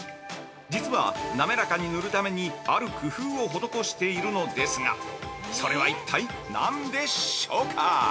実は滑らかに塗るためにある工夫を施しているのですがそれは、一体、何でしょうか。